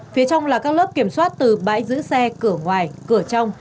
phía trong là các lớp kiểm soát từ bãi giữ xe cửa ngoài cửa trong